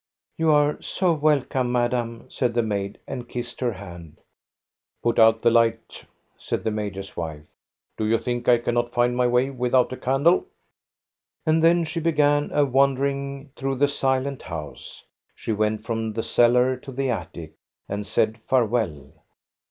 "You are so welcome, madame," said the maid, and kissed her hand. " Put out the light !" said the major's wife. *' Do you think I cannot find my way without a candle ?" And then she began a wandering through the silent house. She went from the cellar to the attic, and said farewell.